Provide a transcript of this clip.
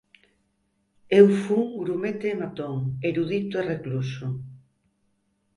Eu fun grumete e matón, erudito e recluso.